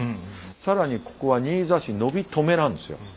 更にここは新座市野火止なんですよ。